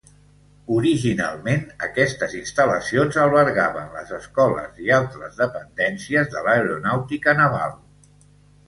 Originalment, aquestes instal·lacions albergaven les escoles i altres dependències de l'Aeronàutica naval.